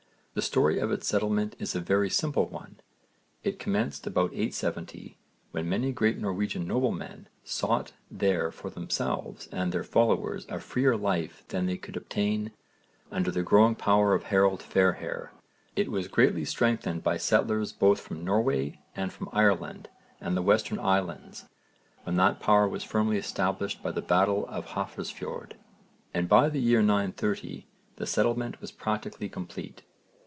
The story of its settlement is a very simple one. It commenced about 870, when many great Norwegian noblemen sought there for themselves and their followers a freer life than they could obtain under the growing power of Harold Fairhair. It was greatly strengthened by settlers both from Norway and from Ireland and the Western Islands when that power was firmly established by the battle of Hafrsfjord, and by the year 930 the settlement was practically complete.